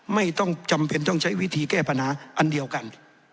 ไม่ต้องจำเป็นต้องใช้วิธีแก้ปัญหาอันเดียวกัน